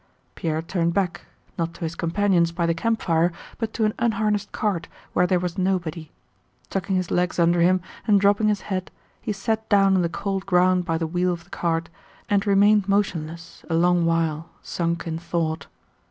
Pierre turned back, not to his companions by the campfire, but to an unharnessed cart where there was nobody. Tucking his legs under him and dropping his head he sat down on the cold ground by the wheel of the cart and remained motionless a long while sunk in thought.